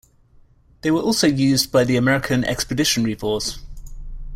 They were also used by the American Expeditionary Force.